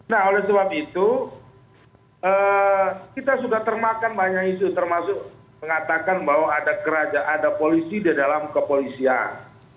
nah oleh sebab itu kita sudah termakan banyak isu termasuk mengatakan bahwa ada polisi di dalam kepolisian